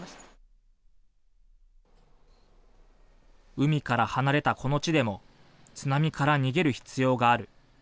海から離れたこの地でも津波から逃げる必要がある。